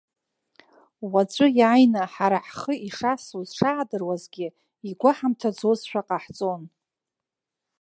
Уаҵәы иааины ҳара ҳхы ишасуаз шаадыруазгьы, игәаҳамҭаӡозшәа ҟаҳҵон.